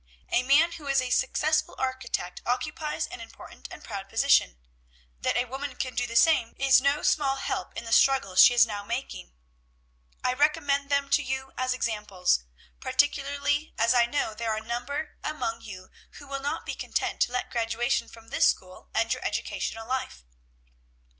"A man who is a successful architect occupies an important and proud position; that a woman can do the same is no small help in the struggle she is now making. "I recommend them to you as examples, particularly as I know there are a number among you who will not be content to let graduation from this school end your educational life.